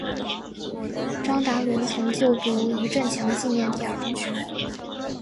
张达伦曾就读余振强纪念第二中学。